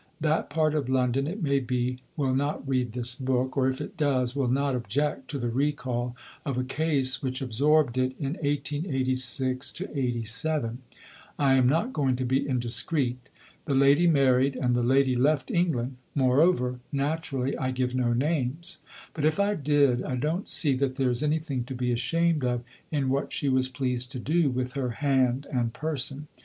That part of London, it may be, will not read this book; or if it does, will not object to the recall of a case which absorbed it in 1886 87. I am not going to be indiscreet. The lady married, and the lady left England. Moreover, naturally, I give no names; but if I did I don't see that there is anything to be ashamed of in what she was pleased to do with her hand and person.